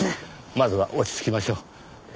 まずは落ち着きましょう。